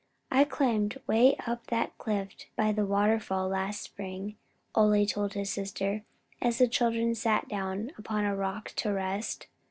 "I climbed way up that cliff by the waterfall last spring," Ole told his sister, as the children sat down upon a rock to rest.